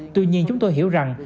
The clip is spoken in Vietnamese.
tuy nhiên chúng tôi hiểu rằng